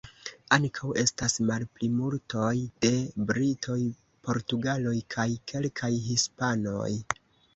Ankaŭ estas malplimultoj de britoj, portugaloj kaj kelkaj hispanoj.